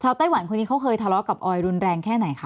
ไต้หวันคนนี้เขาเคยทะเลาะกับออยรุนแรงแค่ไหนคะ